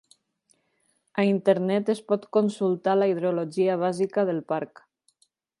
A internet es pot consultar la hidrologia bàsica del parc.